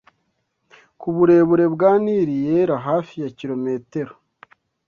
ku burebure bwa Nili yera hafi ya kilometero